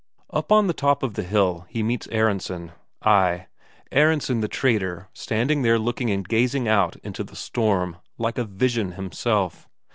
Up on the top of the hill he meets Aronsen. Ay, Aronsen the trader standing there looking and gazing out into the storm, like a vision himself.